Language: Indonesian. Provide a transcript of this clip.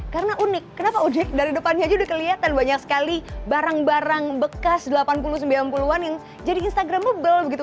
karena unik kenapa ujek dari depannya aja udah kelihatan banyak sekali barang barang bekas delapan puluh sembilan puluh an yang jadi instagramable begitu